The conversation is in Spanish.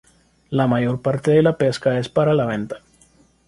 La mayor parte de la pesca es para la venta.